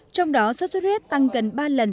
trong đó sốt xuất huyết tăng gần ba lần